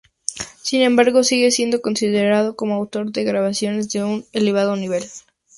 Sin embargo sigue siendo considerado como autor de grabaciones de un elevado nivel.